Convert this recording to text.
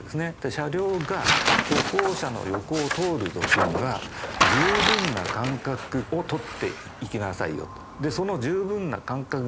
車両が歩行者の横を通る時には十分な間隔を取っていきなさいよと。